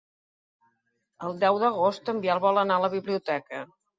El deu d'agost en Biel vol anar a la biblioteca.